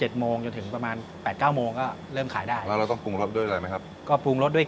ต้มยำแห้งแล้วก็เย็นเตอร์โฟด้วย